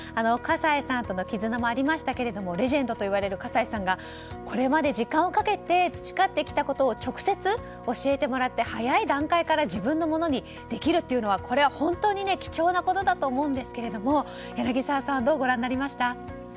葛西さんとの絆もありましたけどもレジェンドといわれる葛西さんがこれまで時間をかけて培ってきたことを直接教えてもらって早い段階から自分のものにできるというのは本当に貴重なことだと思うんですけども柳澤さんどうご覧になりました？